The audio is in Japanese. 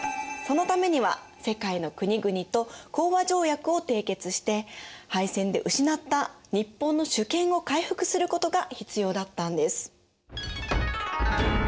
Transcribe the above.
そのためには世界の国々と講和条約を締結して敗戦で失った日本の主権を回復することが必要だったんです。